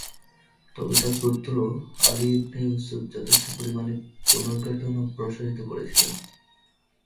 তবে তাঁর পুত্র আলী ইবনে ইউসুফ যথেষ্ট পরিমাণে পুনর্গঠন ও প্রসারিত করেছিলেন।